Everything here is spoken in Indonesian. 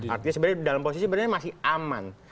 artinya sebenarnya dalam posisi sebenarnya masih aman